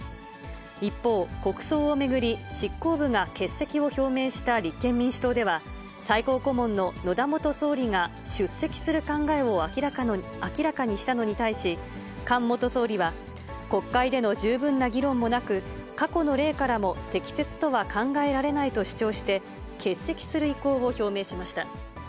一方、国葬を巡り、執行部が欠席を表明した立憲民主党では、最高顧問の野田元総理が出席する考えを明らかにしたのに対し、菅元総理は、国会での十分な議論もなく、過去の例からも適切とは考えられないと主張して、欠席する意向を表明しました。